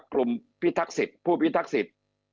กลุ่มพิทักษิตผู้พิทักษิต